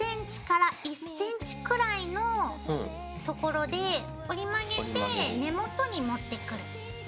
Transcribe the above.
０．５ｃｍ１ｃｍくらいのところで折り曲げて根元に持ってくる。